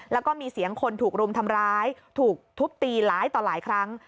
แล้วก็มีเสียงคนถูกรุมทำร้ายถูกทุบตีหลายต่อหลายครั้ง